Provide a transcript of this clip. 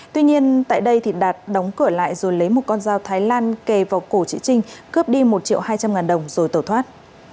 tuy nhiên tại đây đạt đóng cửa lại rồi lấy một con dao thái lan kề vào cổ chị trinh cướp đi một triệu hai trăm linh ngàn đồng rồi tẩu thoát